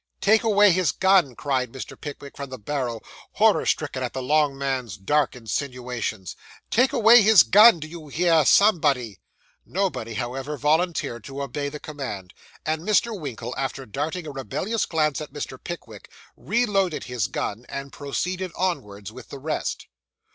'Take away his gun,' cried Mr. Pickwick from the barrow, horror stricken at the long man's dark insinuations. 'Take away his gun, do you hear, somebody?' Nobody, however, volunteered to obey the command; and Mr. Winkle, after darting a rebellious glance at Mr. Pickwick, reloaded his gun, and proceeded onwards with the rest.